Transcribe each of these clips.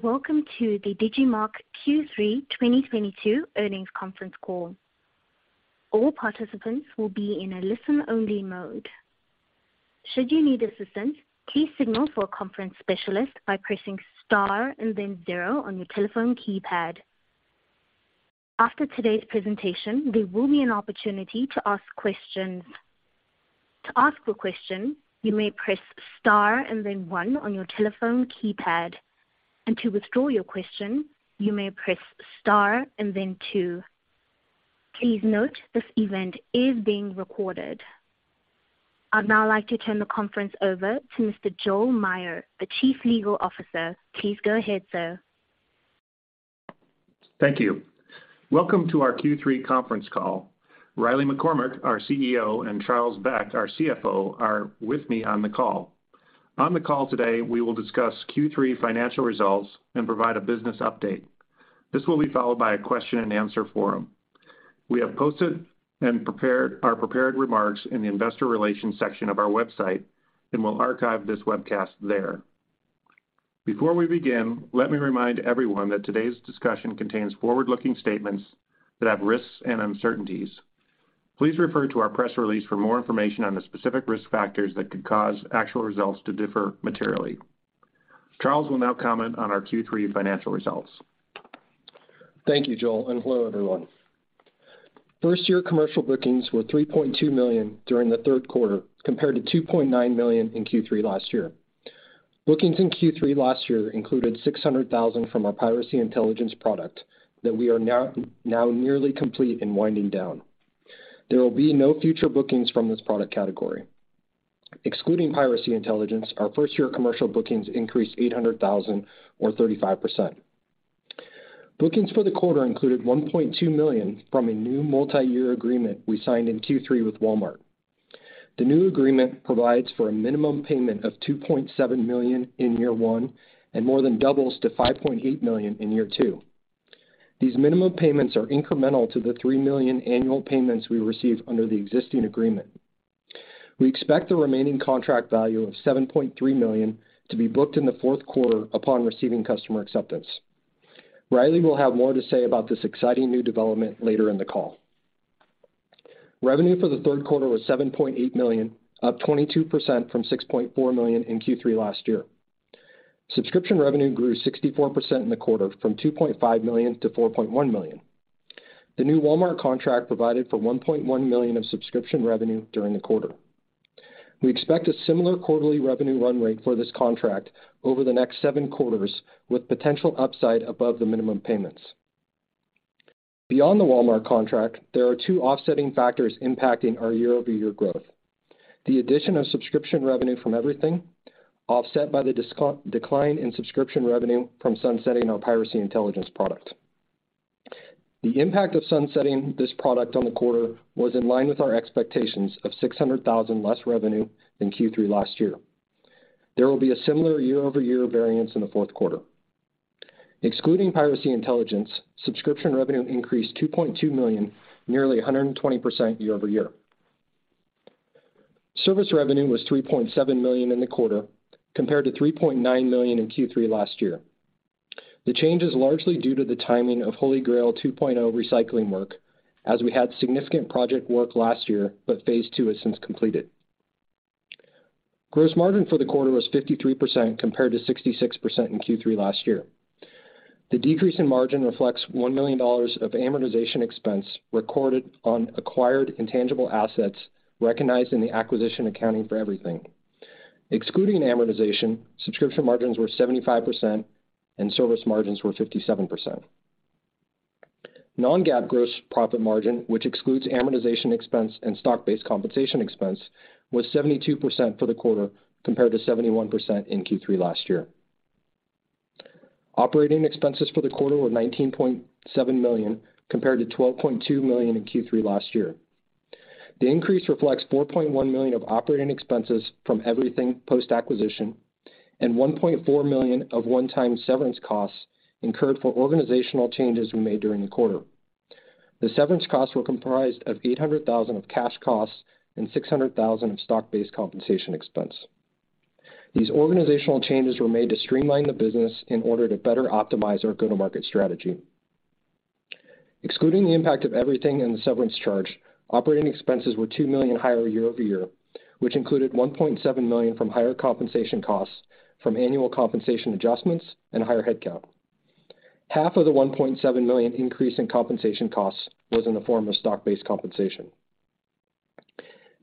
Welcome to the Digimarc Q3 2022 earnings conference call. All participants will be in a listen-only mode. Should you need assistance, please signal for a conference specialist by pressing star and then zero on your telephone keypad. After today's presentation, there will be an opportunity to ask questions. To ask a question, you may press star and then one on your telephone keypad. To withdraw your question, you may press star and then two. Please note this event is being recorded. I'd now like to turn the conference over to Mr. Joel Meyer, the Chief Legal Officer. Please go ahead, sir. Thank you. Welcome to our Q3 conference call. Riley McCormack, our CEO, and Charles Beck, our CFO, are with me on the call. On the call today, we will discuss Q3 financial results and provide a business update. This will be followed by a question-and-answer forum. We have posted our prepared remarks in the investor relations section of our website, and we'll archive this webcast there. Before we begin, let me remind everyone that today's discussion contains forward-looking statements that have risks and uncertainties. Please refer to our press release for more information on the specific risk factors that could cause actual results to differ materially. Charles will now comment on our Q3 financial results. Thank you, Joel, and hello, everyone. 1st-year commercial bookings were $3.2 million during the 3rd quarter, compared to $2.9 million in Q3 last year. Bookings in Q3 last year included $600,000 from our Piracy Intelligence product that we are now nearly complete in winding down. There will be no future bookings from this product category. Excluding Piracy Intelligence, our 1st-year commercial bookings increased $800,000 or 35%. Bookings for the quarter included $1.2 million from a new multi-year agreement we signed in Q3 with Walmart. The new agreement provides for a minimum payment of $2.7 million in year one and more than doubles to $5.8 million in year two. These minimum payments are incremental to the $3 million annual payments we receive under the existing agreement. We expect the remaining contract value of $7.3 million to be booked in the 4th quarter upon receiving customer acceptance. Riley will have more to say about this exciting new development later in the call. Revenue for the 3rd quarter was $7.8 million, up 22% from $6.4 million in Q3 last year. Subscription revenue grew 64% in the quarter, from $2.5 million to $4.1 million. The new Walmart contract provided for $1.1 million of subscription revenue during the quarter. We expect a similar quarterly revenue run rate for this contract over the next seven quarters, with potential upside above the minimum payments. Beyond the Walmart contract, there are two offsetting factors impacting our year-over-year growth. The addition of subscription revenue from EVRYTHNG offset by the decline in subscription revenue from sunsetting our Piracy Intelligence product. The impact of sunsetting this product on the quarter was in line with our expectations of $600,000 less revenue than Q3 last year. There will be a similar year-over-year variance in the 4th quarter. Excluding Piracy Intelligence, subscription revenue increased $2.2 million, nearly 120% year-over-year. Service revenue was $3.7 million in the quarter, compared to $3.9 million in Q3 last year. The change is largely due to the timing of HolyGrail 2.0 recycling work, as we had significant project work last year, but phase II has since completed. Gross margin for the quarter was 53%, compared to 66% in Q3 last year. The decrease in margin reflects $1 million of amortization expense recorded on acquired intangible assets recognized in the acquisition accounting for EVRYTHNG. Excluding amortization, subscription margins were 75% and service margins were 57%. Non-GAAP gross profit margin, which excludes amortization expense and stock-based compensation expense, was 72% for the quarter, compared to 71% in Q3 last year. Operating expenses for the quarter were $19.7 million, compared to $12.2 million in Q3 last year. The increase reflects $4.1 million of operating expenses from EVRYTHNG post-acquisition and $1.4 million of one-time severance costs incurred for organizational changes we made during the quarter. The severance costs were comprised of $800,000 of cash costs and $600,000 of stock-based compensation expense. These organizational changes were made to streamline the business in order to better optimize our go-to-market strategy. Excluding the impact of EVRYTHNG and the severance charge, operating expenses were $2 million higher year-over-year, which included $1.7 million from higher compensation costs from annual compensation adjustments and higher headcount. Half of the $1.7 million increase in compensation costs was in the form of stock-based compensation.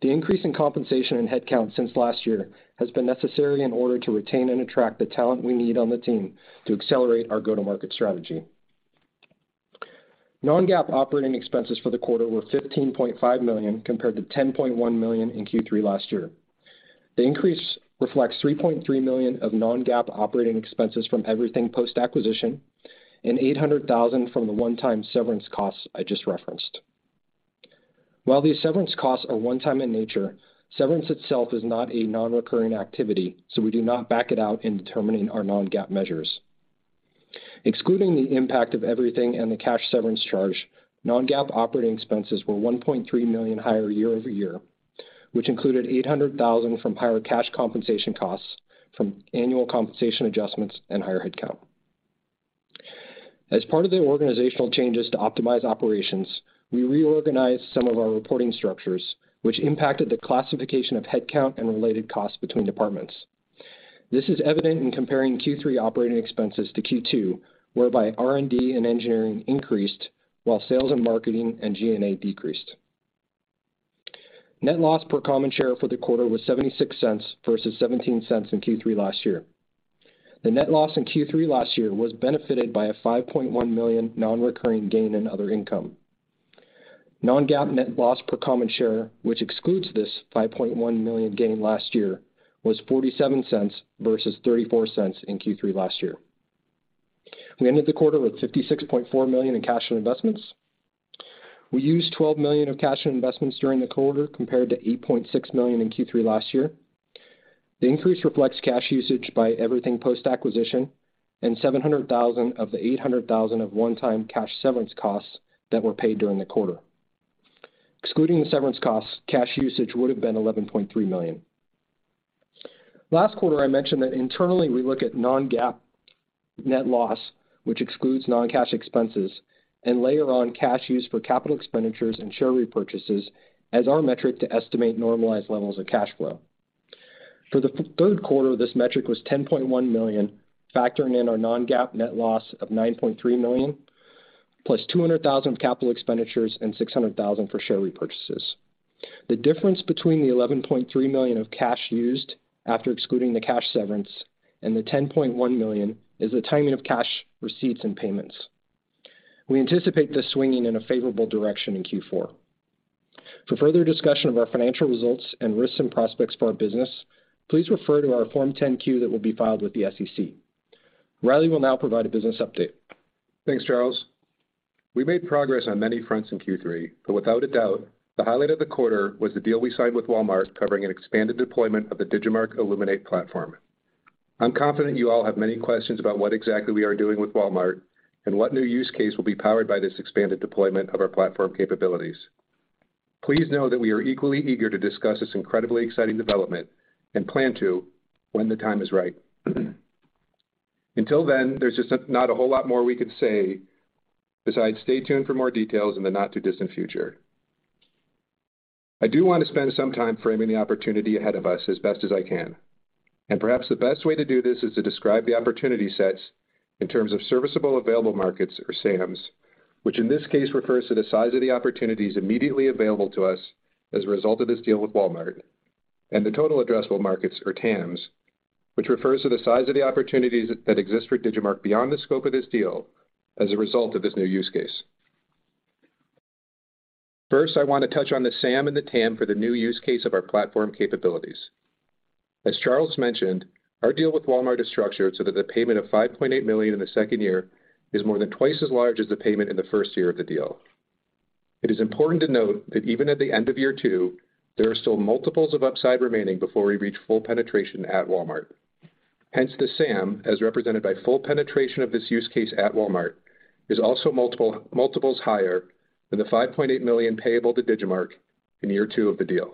The increase in compensation and headcount since last year has been necessary in order to retain and attract the talent we need on the team to accelerate our go-to-market strategy. Non-GAAP operating expenses for the quarter were $15.5 million, compared to $10.1 million in Q3 last year. The increase reflects $3.3 million of non-GAAP operating expenses from EVRYTHNG post-acquisition and $800,000 from the one-time severance costs I just referenced. While these severance costs are one-time in nature, severance itself is not a non-recurring activity, so we do not back it out in determining our non-GAAP measures. Excluding the impact of EVRYTHNG and the cash severance charge, non-GAAP operating expenses were $1.3 million higher year-over-year, which included $800 thousand from higher cash compensation costs from annual compensation adjustments and higher headcount. As part of the organizational changes to optimize operations, we reorganized some of our reporting structures, which impacted the classification of headcount and related costs between departments. This is evident in comparing Q3 operating expenses to Q2, whereby R&D and engineering increased while sales and marketing and G&A decreased. Net loss per common share for the quarter was $0.76 versus $0.17 in Q3 last year. The net loss in Q3 last year was benefited by a $5.1 million non-recurring gain in other income. Non-GAAP net loss per common share, which excludes this $5.1 million gain last year, was $0.47 versus $0.34 in Q3 last year. We ended the quarter with $56.4 million in cash and investments. We used $12 million of cash and investments during the quarter compared to $8.6 million in Q3 last year. The increase reflects cash usage by EVRYTHNG post-acquisition and $700,000 of the $800,000 of one-time cash severance costs that were paid during the quarter. Excluding the severance costs, cash usage would have been $11.3 million. Last quarter, I mentioned that internally we look at non-GAAP net loss, which excludes non-cash expenses, and later on cash used for capital expenditures and share repurchases as our metric to estimate normalized levels of cash flow. For the 3rd quarter, this metric was $10.1 million, factoring in our non-GAAP net loss of $9.3 million, plus $200,000 capital expenditures and $600,000 for share repurchases. The difference between the $11.3 million of cash used after excluding the cash severance and the $10.1 million is the timing of cash receipts and payments. We anticipate this swinging in a favorable direction in Q4. For further discussion of our financial results and risks and prospects for our business, please refer to our Form 10-Q that will be filed with the SEC. Riley will now provide a business update. Thanks, Charles. We made progress on many fronts in Q3, but without a doubt, the highlight of the quarter was the deal we signed with Walmart covering an expanded deployment of the Digimarc Illuminate platform. I'm confident you all have many questions about what exactly we are doing with Walmart and what new use case will be powered by this expanded deployment of our platform capabilities. Please know that we are equally eager to discuss this incredibly exciting development and plan to when the time is right. Until then, there's just not a whole lot more we could say besides stay tuned for more details in the not-too-distant future. I do want to spend some time framing the opportunity ahead of us as best as I can, and perhaps the best way to do this is to describe the opportunity sets in terms of serviceable addressable markets or SAMs, which in this case refers to the size of the opportunities immediately available to us as a result of this deal with Walmart, and the total addressable markets or TAMs, which refers to the size of the opportunities that exist for Digimarc beyond the scope of this deal as a result of this new use case. First, I want to touch on the SAM and the TAM for the new use case of our platform capabilities. As Charles mentioned, our deal with Walmart is structured so that the payment of $5.8 million in the 2nd year is more than twice as large as the payment in the 1st year of the deal. It is important to note that even at the end of year two, there are still multiples of upside remaining before we reach full penetration at Walmart. Hence, the SAM, as represented by full penetration of this use case at Walmart, is also multiples higher than the $5.8 million payable to Digimarc in year two of the deal.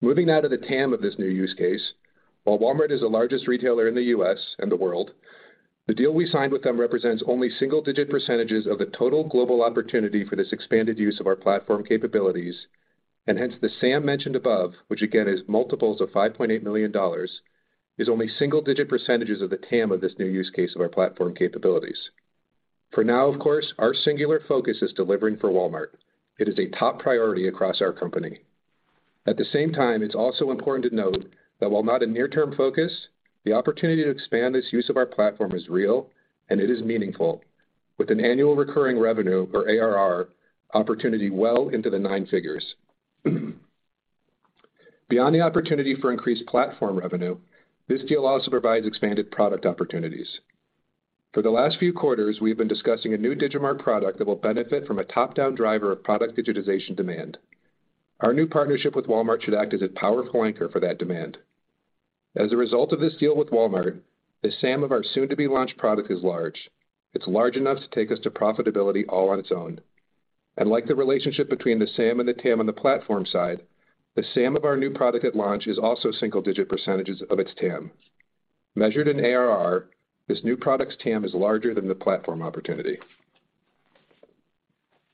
Moving now to the TAM of this new use case, while Walmart is the largest retailer in the U.S. and the world, the deal we signed with them represents only single-digit percentages of the total global opportunity for this expanded use of our platform capabilities. Hence, the SAM mentioned above, which again is multiples of $5.8 million, is only single-digit percentages of the TAM of this new use case of our platform capabilities. For now, of course, our singular focus is delivering for Walmart. It is a top priority across our company. At the same time, it's also important to note that while not a near-term focus, the opportunity to expand this use of our platform is real, and it is meaningful with an annual recurring revenue or ARR opportunity well into the nine figures. Beyond the opportunity for increased platform revenue, this deal also provides expanded product opportunities. For the last few quarters, we've been discussing a new Digimarc product that will benefit from a top-down driver of product digitization demand. Our new partnership with Walmart should act as a powerful anchor for that demand. As a result of this deal with Walmart, the SAM of our soon-to-be-launched product is large. It's large enough to take us to profitability all on its own. Like the relationship between the SAM and the TAM on the platform side, the SAM of our new product at launch is also single-digit percentages of its TAM. Measured in ARR, this new product's TAM is larger than the platform opportunity.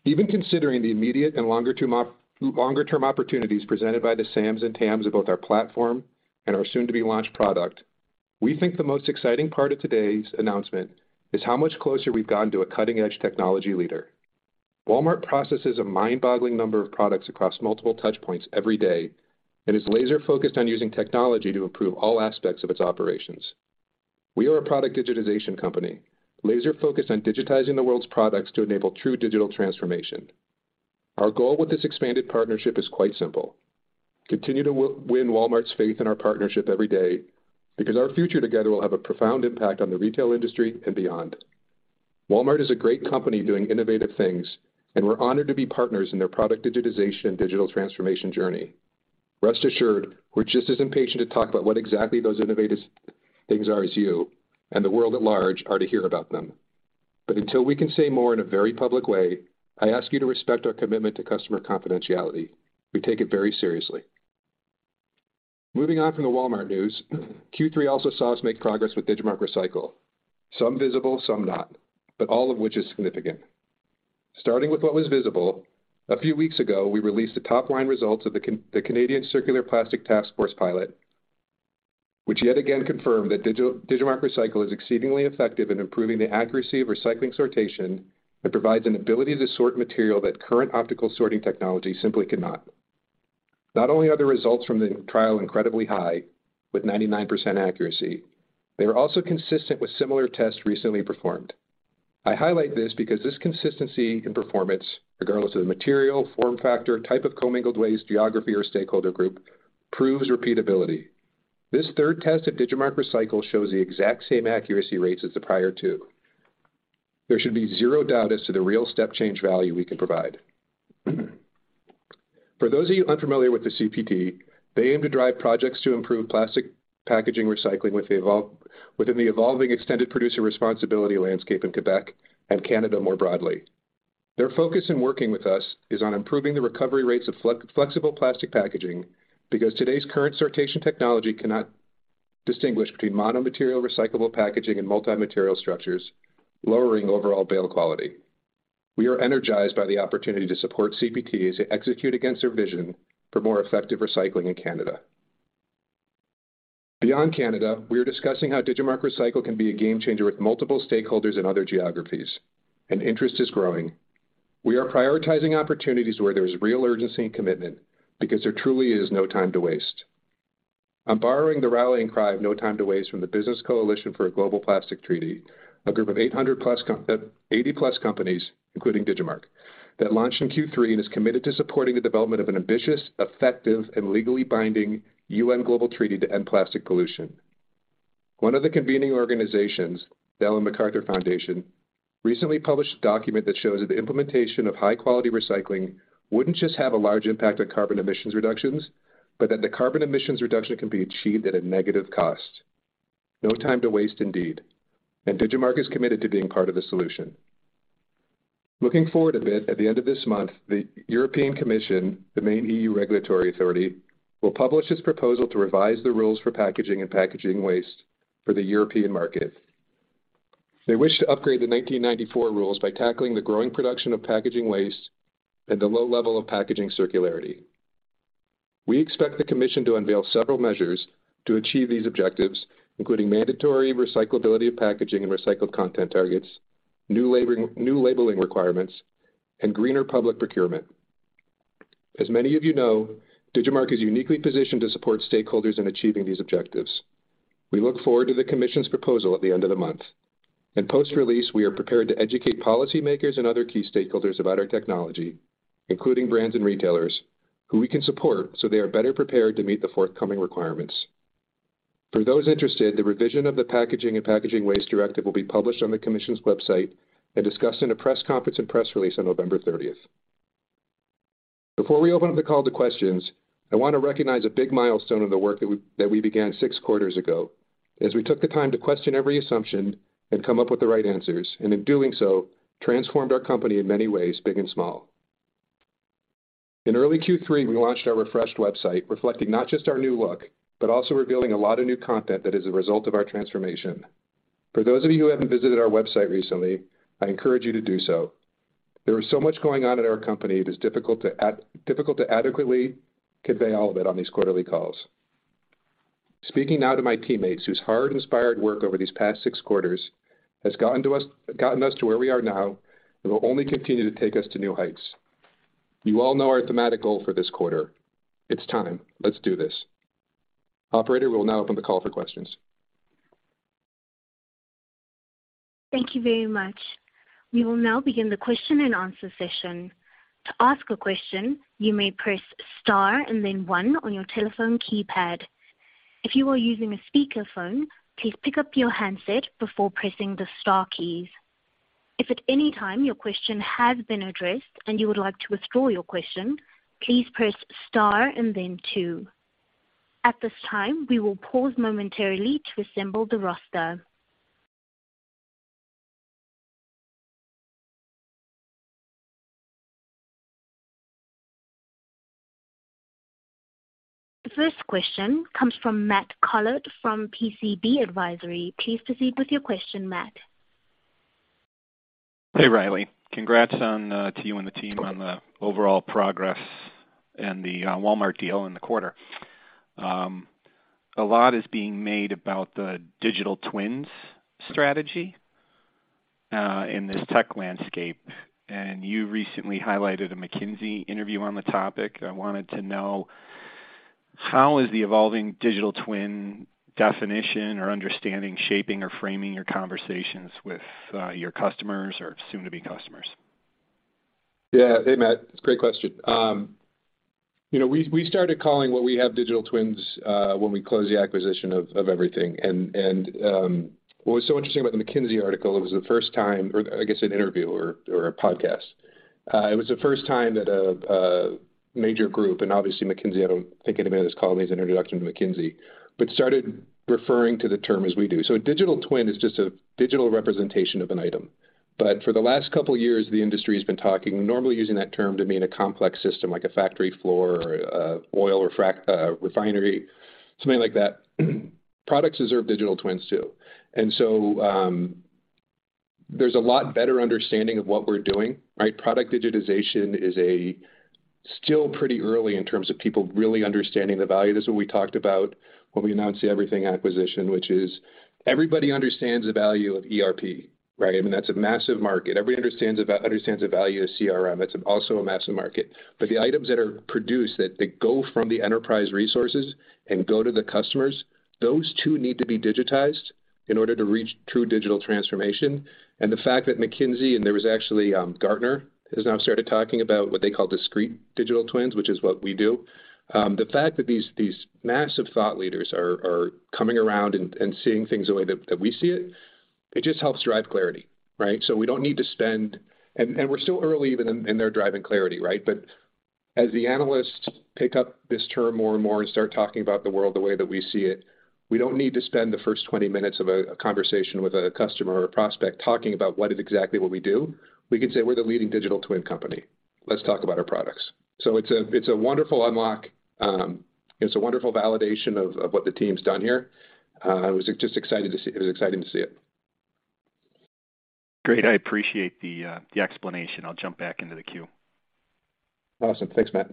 Even considering the immediate and longer term opportunities presented by the SAMs and TAMs of both our platform and our soon-to-be-launched product, we think the most exciting part of today's announcement is how much closer we've gotten to a cutting-edge technology leader. Walmart processes a mind-boggling number of products across multiple touch points every day, and is laser-focused on using technology to improve all aspects of its operations. We are a product digitization company, laser-focused on digitizing the world's products to enable true digital transformation. Our goal with this expanded partnership is quite simple: continue to win Walmart's faith in our partnership every day because our future together will have a profound impact on the retail industry and beyond. Walmart is a great company doing innovative things, and we're honored to be partners in their product digitization and digital transformation journey. Rest assured, we're just as impatient to talk about what exactly those innovative things are as you and the world at large are to hear about them. But until we can say more in a very public way, I ask you to respect our commitment to customer confidentiality. We take it very seriously. Moving on from the Walmart news, Q3 also saw us make progress with Digimarc Recycle. Some visible, some not, but all of which is significant. Starting with what was visible, a few weeks ago, we released the top-line results of the Canadian Circular Plastics Taskforce pilot, which yet again confirmed that Digimarc Recycle is exceedingly effective in improving the accuracy of recycling sortation and provides an ability to sort material that current optical sorting technology simply cannot. Not only are the results from the trial incredibly high with 99% accuracy, they are also consistent with similar tests recently performed. I highlight this because this consistency in performance, regardless of the material, form factor, type of commingled waste, geography, or stakeholder group proves repeatability. This 3rd test of Digimarc Recycle shows the exact same accuracy rates as the prior two. There should be zero doubt as to the real step change value we can provide. For those of you unfamiliar with the CPT, they aim to drive projects to improve plastic packaging recycling within the evolving Extended Producer Responsibility landscape in Quebec and Canada more broadly. Their focus in working with us is on improving the recovery rates of flexible plastic packaging because today's current sortation technology cannot distinguish between mono-material recyclable packaging and multi-material structures, lowering overall bale quality. We are energized by the opportunity to support CPTs and execute against their vision for more effective recycling in Canada. Beyond Canada, we are discussing how Digimarc Recycle can be a game changer with multiple stakeholders in other geographies, and interest is growing. We are prioritizing opportunities where there is real urgency and commitment because there truly is no time to waste. I'm borrowing the rallying cry of No Time to Waste from the Business Coalition for a Global Plastics Treaty, a group of 80+ companies, including Digimarc, that launched in Q3 and is committed to supporting the development of an ambitious, effective, and legally binding UN global treaty to end plastic pollution. One of the convening organizations, the Ellen MacArthur Foundation, recently published a document that shows that the implementation of high-quality recycling wouldn't just have a large impact on carbon emissions reductions, but that the carbon emissions reduction can be achieved at a negative cost. No time to waste, indeed. Digimarc is committed to being part of the solution. Looking forward a bit, at the end of this month, the European Commission, the main EU regulatory authority, will publish its proposal to revise the rules for packaging and packaging waste for the European market. They wish to upgrade the 1994 rules by tackling the growing production of packaging waste and the low level of packaging circularity. We expect the Commission to unveil several measures to achieve these objectives, including mandatory recyclability of packaging and recycled content targets, new labeling requirements, and greener public procurement. As many of you know, Digimarc is uniquely positioned to support stakeholders in achieving these objectives. We look forward to the Commission's proposal at the end of the month. In post-release, we are prepared to educate policymakers and other key stakeholders about our technology, including brands and retailers who we can support so they are better prepared to meet the forthcoming requirements. For those interested, the revision of the Packaging and Packaging Waste Directive will be published on the Commission's website and discussed in a press conference and press release on November 30. Before we open up the call to questions, I want to recognize a big milestone in the work that we began six quarters ago as we took the time to question every assumption and come up with the right answers, and in doing so, transformed our company in many ways, big and small. In early Q3, we launched our refreshed website reflecting not just our new look, but also revealing a lot of new content that is a result of our transformation. For those of you who haven't visited our website recently, I encourage you to do so. There is so much going on at our company, it is difficult to adequately convey all of it on these quarterly calls. Speaking now to my teammates, whose hard and inspired work over these past six quarters has gotten us to where we are now and will only continue to take us to new heights. You all know our thematic goal for this quarter. It's time. Let's do this. Operator, we'll now open the call for questions. Thank you very much. We will now begin the question and answer session. To ask a question, you may press star and then one on your telephone keypad. If you are using a speakerphone, please pick up your handset before pressing the star keys. If at any time your question has been addressed and you would like to withdraw your question, please press star and then two. At this time, we will pause momentarily to assemble the roster. The 1st question comes from Matt Collett from PCB Advisory. Please proceed with your question, Matt. Hey, Riley. Congrats to you and the team on the overall progress and the Walmart deal in the quarter. A lot is being made about the digital twins strategy in this tech landscape. You recently highlighted a McKinsey interview on the topic. I wanted to know how the evolving digital twin definition or understanding is shaping or framing your conversations with your customers or soon-to-be customers? Yeah. Hey, Matt. Great question. You know, we started calling what we have digital twins when we closed the acquisition of EVRYTHNG. What was so interesting about the McKinsey article, it was the 1st time or I guess an interview or a podcast. It was the 1st time that a major group, and obviously McKinsey, I don't think anybody in this call needs an introduction to McKinsey, but started referring to the term as we do. A digital twin is just a digital representation of an item. For the last couple years, the industry has been talking, normally using that term to mean a complex system like a factory floor or refinery, something like that. Products deserve digital twins, too. There's a lot better understanding of what we're doing, right? Product digitization is still pretty early in terms of people really understanding the value. This is what we talked about when we announced the EVRYTHNG acquisition, which is everybody understands the value of ERP, right? I mean, that's a massive market. Everybody understands the value of CRM. That's also a massive market. The items that are produced, that go from the enterprise resources and go to the customers, those two need to be digitized in order to reach true digital transformation. The fact that McKinsey and actually Gartner has now started talking about what they call discrete digital twins, which is what we do. The fact that these massive thought leaders are coming around and seeing things the way that we see it just helps drive clarity, right? We don't need to spend. We're still early even in their driving clarity, right? As the analysts pick up this term more and more and start talking about the world the way that we see it, we don't need to spend the 1st 20 minutes of a conversation with a customer or a prospect talking about what exactly we do. We can say we're the leading digital twin company. Let's talk about our products. It's a wonderful unlock. It's a wonderful validation of what the team's done here. I was just excited to see it. It was exciting to see it. Great. I appreciate the explanation. I'll jump back into the queue. Awesome. Thanks, Matt.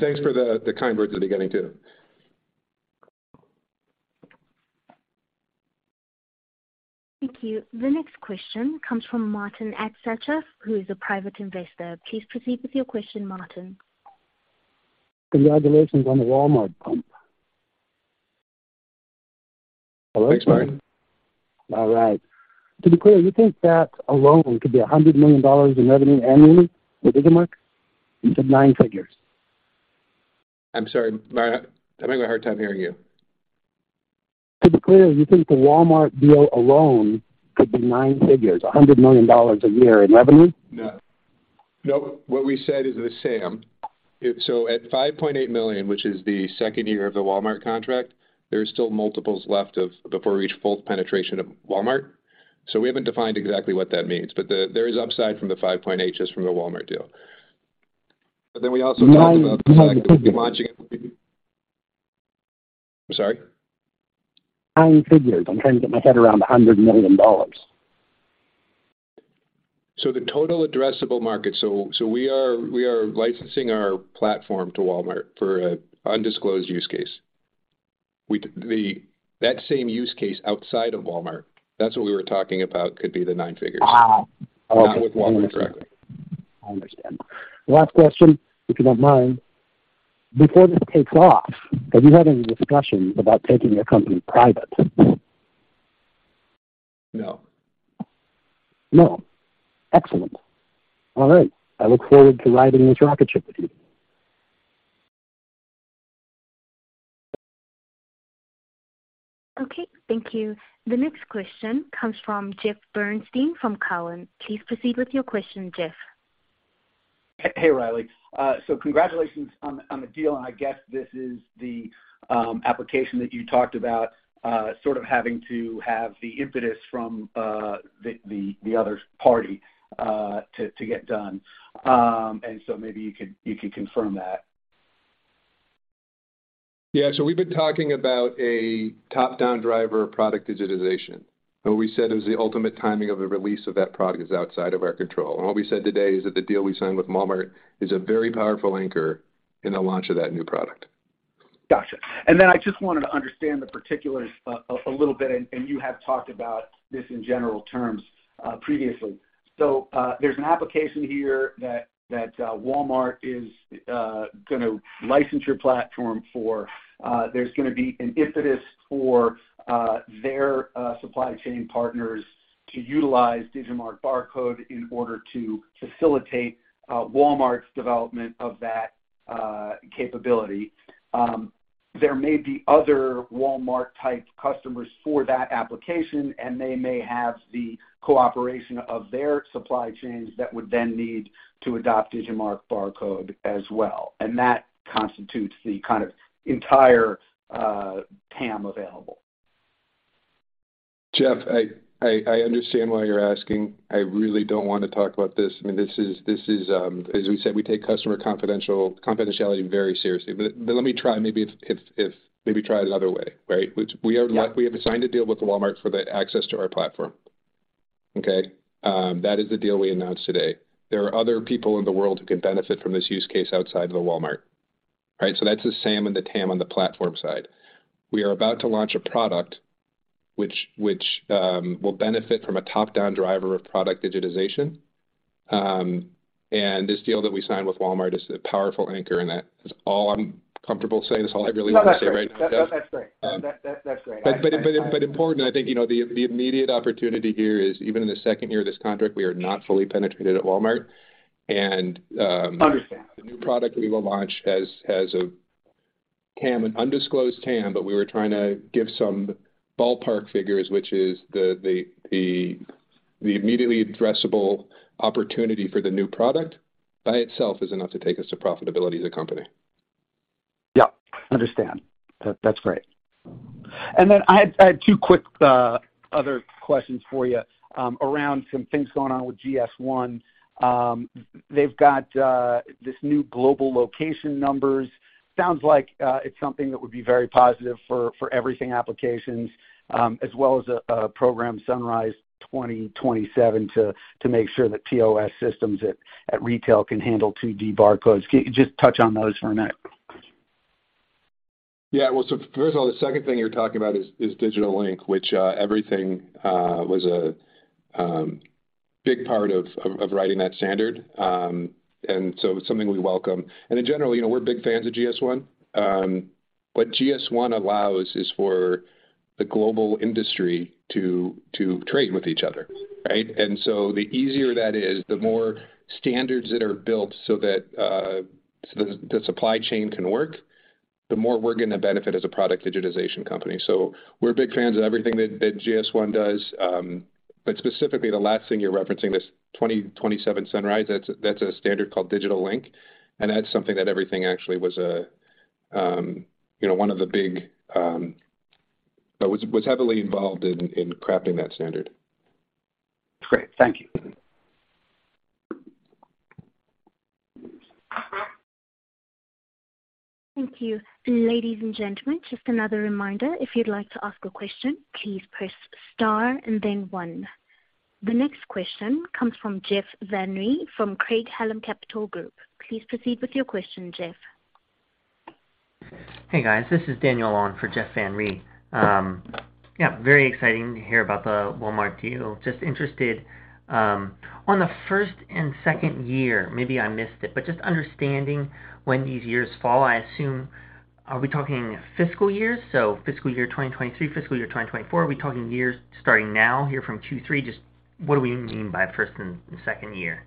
Thanks for the kind words at the beginning too. Thank you. The next question comes from Martin Anschel is a private investor. Please proceed with your question, Martin. Congratulations on the Walmart pump. Thanks, Martin. All right. To be clear, you think that alone could be $100 million in revenue annually with Digimarc? You said nine figures. I'm sorry, Martin. I'm having a hard time hearing you. To be clear, you think the Walmart deal alone could be nine figures, $100 million a year in revenue? No. Nope. What we said is the SAM. At $5.8 million, which is the 2nd year of the Walmart contract, there is still multiples left of before we reach full penetration of Walmart. We haven't defined exactly what that means, but the, there is upside from the $5.8 just from the Walmart deal. We also talked about the fact that we'll be launching. Nine figures. I'm sorry? Nine figures. I'm trying to get my head around $100 million. The total addressable market. We are licensing our platform to Walmart for an undisclosed use case. That same use case outside of Walmart, that's what we were talking about could be the nine figures. Ah. Not with Walmart directly. I understand. Last question, if you don't mind. Before this takes off, have you had any discussions about taking your company private? No. No. Excellent. All right. I look forward to riding this rocket ship with you. Okay. Thank you. The next question comes from Jeffrey Bernstein from Cowen. Please proceed with your question, Jeff. Hey, Riley. Congratulations on the deal, and I guess this is the application that you talked about, sort of having to have the impetus from the other party to get done. Maybe you could confirm that. Yeah. We've been talking about a top-down driver product digitization. We said it was the ultimate timing of the release of that product is outside of our control. What we said today is that the deal we signed with Walmart is a very powerful anchor in the launch of that new product. Gotcha. I just wanted to understand the particulars a little bit, and you have talked about this in general terms previously. There's an application here that Walmart is gonna license your platform for. There's gonna be an impetus for their supply chain partners to utilize Digimarc Barcode in order to facilitate Walmart's development of that capability. There may be other Walmart-type customers for that application, and they may have the cooperation of their supply chains that would then need to adopt Digimarc Barcode as well. That constitutes the kind of entire TAM available. Jeff, I understand why you're asking. I really don't wanna talk about this. I mean, this is as we said, we take customer confidentiality very seriously. Let me try maybe if maybe try it another way, right? Which we have. Yeah. We have signed a deal with Walmart for the access to our platform. Okay? That is the deal we announced today. There are other people in the world who can benefit from this use case outside of the Walmart, right? That's the SAM and the TAM on the platform side. We are about to launch a product which will benefit from a top-down driver of product digitization. This deal that we signed with Walmart is a powerful anchor in that. That's all I'm comfortable saying is all I really want to say right now, Jeff. No, that's great. That's great. Important, I think, you know, the immediate opportunity here is even in the 2nd year of this contract, we are not fully penetrated at Walmart. Understand. The new product we will launch has a TAM, an undisclosed TAM, but we were trying to give some ballpark figures, which is the immediately addressable opportunity for the new product by itself is enough to take us to profitability as a company. Yeah, understand. That's great. I had two quick other questions for you around some things going on with GS1. They've got this new Global Location Numbers. Sounds like it's something that would be very positive for EVRYTHNG applications as well as a program Sunrise 2027 to make sure that POS systems at retail can handle 2D barcodes. Can you just touch on those for a minute? Yeah. Well, 1st of all, the 2nd thing you're talking about is Digital Link, which EVRYTHNG was a big part of writing that standard. It's something we welcome. In general, you know, we're big fans of GS1. What GS1 allows is for the global industry to trade with each other, right? The easier that is, the more standards that are built so that the supply chain can work, the more we're gonna benefit as a product digitization company. We're big fans of everything that GS1 does. Specifically, the last thing you're referencing, this 2027 Sunrise, that's a standard called Digital Link, and that's something that EVRYTHNG actually was heavily involved in crafting that standard. Great. Thank you. Thank you. Ladies and gentlemen, just another reminder, if you'd like to ask a question, please press star and then one. The next question comes from Jeff Van Rhee from Craig-Hallum Capital Group. Please proceed with your question, Jeff. Hey, guys. This is Daniel on for Jeff Van Rhee. Yeah, very exciting to hear about the Walmart deal. Just interested on the 1st and 2nd year, maybe I missed it, but just understanding when these years fall, I assume. Are we talking fiscal years, so fiscal year 2023, fiscal year 2024? Are we talking years starting now here from Q3? Just what do we mean by 1st and 2nd year?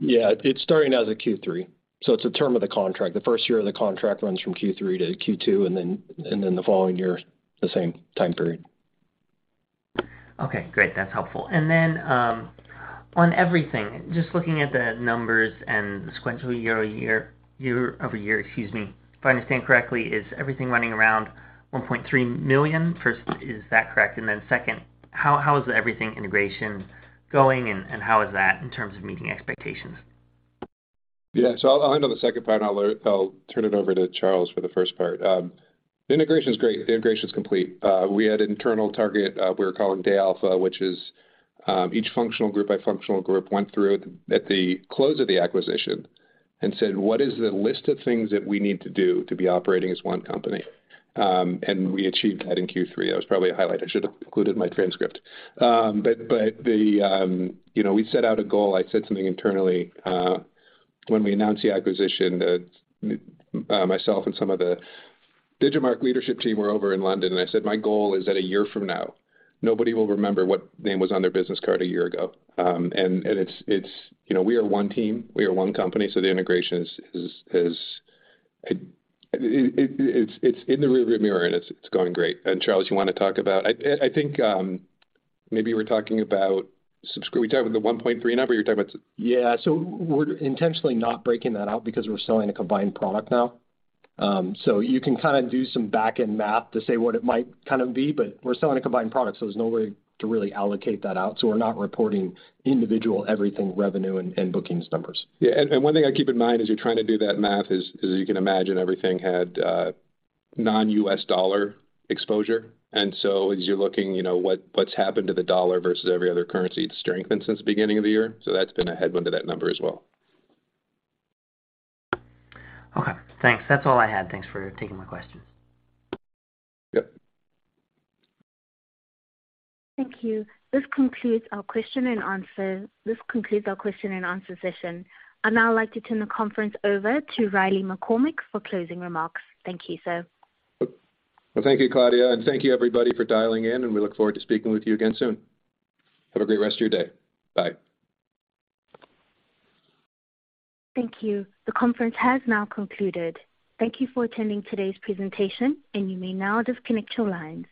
Yeah. It's starting as a Q3, so it's a term of the contract. The 1st year of the contract runs from Q3 to Q2, and then the following year, the same time period. Okay, great. That's helpful. On EVRYTHNG, just looking at the numbers and year-over-year, excuse me. If I understand correctly, is EVRYTHNG running around $1.3 million? First, is that correct? Second, how is EVRYTHNG integration going, and how is that in terms of meeting expectations? Yeah. I'll handle the 2nd part, and I'll turn it over to Charles for the 1st part. The integration's great. The integration's complete. We had an internal target we were calling day alpha, which is each functional group by functional group went through at the close of the acquisition and said, "What is the list of things that we need to do to be operating as one company?" We achieved that in Q3. That was probably a highlight I should have included in my transcript. But then, you know, we set out a goal. I said something internally when we announced the acquisition that myself and some of the Digimarc leadership team were over in London, and I said, "My goal is that a year from now, nobody will remember what name was on their business card a year ago." It's. You know, we are one team, we are one company, so the integration is. It's in the rear view mirror, and it's going great. Charles, you want to talk about. I think maybe you were talking about. We talked about the 1.3 number, you're talking about. Yeah. We're intentionally not breaking that out because we're selling a combined product now. You can kind of do some back-end math to say what it might kind of be, but we're selling a combined product, so there's no way to really allocate that out, so we're not reporting individual EVRYTHNG revenue and bookings numbers. Yeah. One thing I keep in mind as you're trying to do that math is you can imagine EVRYTHNG had non-U.S. dollar exposure. As you're looking, you know, what's happened to the dollar versus every other currency, it's strengthened since the beginning of the year, so that's been a headwind to that number as well. Okay. Thanks. That's all I had. Thanks for taking my questions. Yep. Thank you. This concludes our question and answer session. I'd now like to turn the conference over to Riley McCormack for closing remarks. Thank you, sir. Well, thank you, Claudia, and thank you everybody for dialing in, and we look forward to speaking with you again soon. Have a great rest of your day. Bye. Thank you. The conference has now concluded. Thank you for attending today's presentation, and you may now disconnect your lines.